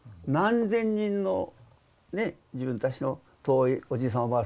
何千人の自分たちの遠いおじいさん